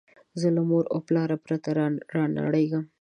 زه له موره او پلاره پرته رانړېږم